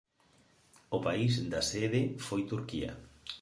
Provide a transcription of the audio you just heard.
O país da sede foi Turquía.